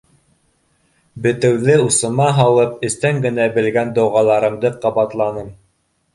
Бетеүҙе усыма һалып, эстән генә белгән доғаларымды ҡабатланым: